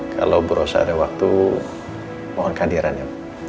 kalau bu rosan ada waktu mohon kehadirannya